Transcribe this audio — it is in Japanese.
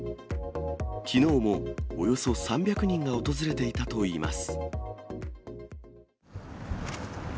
きのうもおよそ３００人が訪れていたといいます。